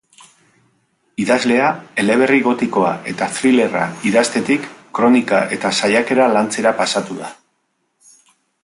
Idazlea eleberri gotikoa eta thrillerra idaztetik kronika eta saiakera lantzera pasatu da.